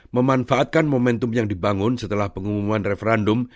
memanfaatkan momentum yang dibangun setelah pengumuman referendum